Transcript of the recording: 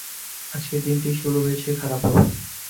আজকের দিনটিই শুরু হয়েছে খারাপভাবে।